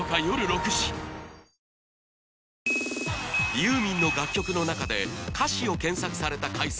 ユーミンの楽曲の中で歌詞を検索された回数